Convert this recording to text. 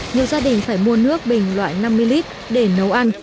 nhiều gia đình phải mua nước bình loại năm mươi lít để nấu ăn